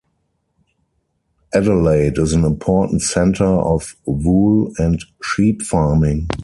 Adelaide is an important centre of wool and sheep farming.